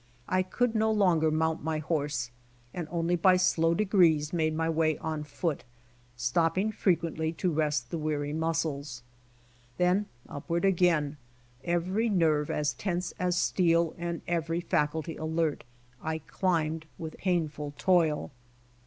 I could no longer mount my horse, and only by slow degrees made my way on foot, stopping frequently to rest the weary muscles. Then upward again, every nerve as tense as steel and every faculty alert, I climbed with painful toil.